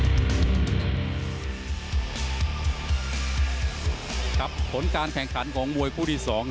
การแข่งขันของมวยคู่ที่สองครับครับครับผลการแข่งขันของมวยคู่ที่สองครับ